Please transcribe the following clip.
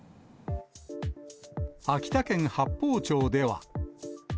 秋田県八峰町では。